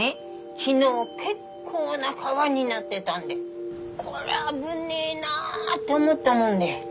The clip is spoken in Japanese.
昨日結構な川になってたんでこりゃ危ねえなって思ったもんで。